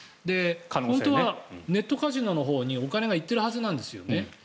本当はネットカジノのほうにお金が行っているはずなんですよね。